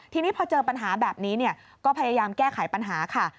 ทีนี้พอเจอปัญหาแบบนี้ก็พยายามแก้ไขปัญหาค่ะ